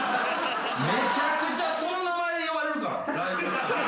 めちゃくちゃその名前で呼ばれるからライブ行ったら。